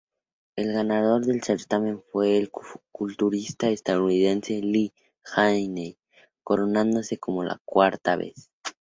El ganador del certamen fue el culturista estadounidense Lee Haney, coronándose por cuarta vez.